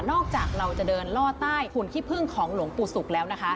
จากเราจะเดินล่อใต้หุ่นขี้พึ่งของหลวงปู่ศุกร์แล้วนะคะ